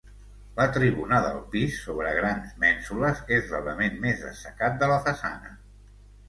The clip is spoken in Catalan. La tribuna del pis, sobre grans mènsules, és l'element més destacat de la façana.